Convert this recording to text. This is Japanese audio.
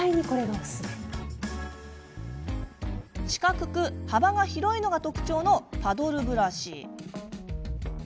四角く、幅が広いのが特徴のパドルブラシ。